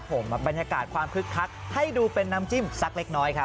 ผมบรรยากาศความคึกคักให้ดูเป็นน้ำจิ้มสักเล็กน้อยครับ